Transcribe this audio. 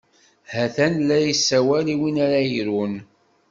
Ha-t-an la yessawal i win ara irun.